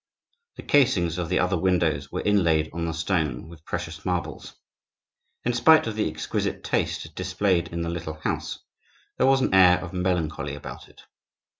The casings of the other windows were inlaid on the stone with precious marbles. In spite of the exquisite taste displayed in the little house, there was an air of melancholy about it.